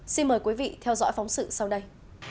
xin mời quý vị theo dõi phóng sự sau đây